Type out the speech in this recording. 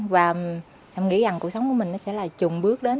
và sầm nghĩ rằng cuộc sống của mình nó sẽ là chùng bước đến